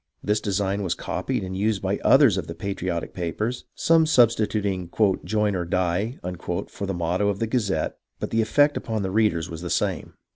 This design was copied and used by others of the patriotic papers, some substituting "Join or Die " for the motto of the Gazette, but the effect upon the readers was the same.